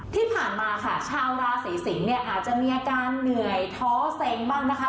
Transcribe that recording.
ที่ผ่านมาค่ะชาวราศีสิงศ์เนี่ยอาจจะมีอาการเหนื่อยท้อเซ็งบ้างนะคะ